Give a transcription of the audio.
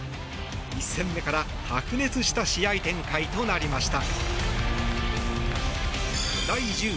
１戦目から白熱した試合展開となりました。